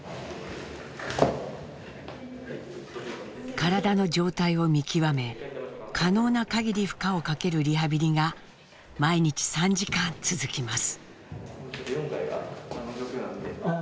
体の状態を見極め可能なかぎり負荷をかけるリハビリが毎日３時間続きます。